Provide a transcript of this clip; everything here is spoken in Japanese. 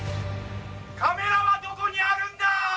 カメラはどこにあるんだ？